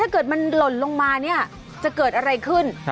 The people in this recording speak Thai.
เกิดมันหล่นลงมาเนี่ยจะเกิดอะไรขึ้น